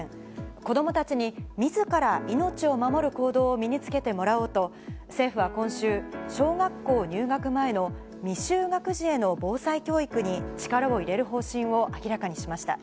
子どもたちに、みずから命を守る行動を身につけてもらおうと、政府は今週、小学校入学前の未就学児への防災教育に力を入れる方針を明らかにしました。